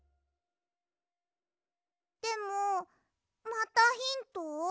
でもまたヒント？